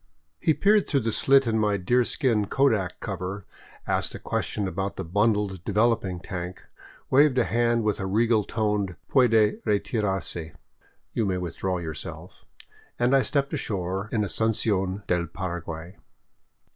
He peered through the slit in my deerskin kodak cover, asked a question about the bundled develop . ing tank, waved a hand with a regal toned " Puede retirarse," (" You may withdraw yourself"), and I stepped ashore in Asuncion del Paraguay.